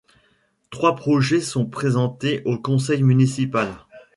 Trois projets sont présentés au conseil municipal.